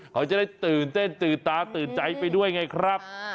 เขาจะได้ตื่นเต้นตื่นตาตื่นใจไปด้วยไงครับ